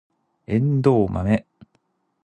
エンドウマメ